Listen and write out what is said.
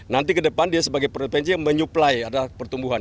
nanti ke depan dia sebagai provinsi yang menyuplai pertumbuhan